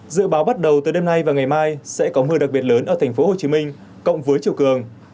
dự báo bắt đầu từ đêm nay và ngày mai sẽ có mưa đặc biệt lớn ở tp hcm cộng với chiều cường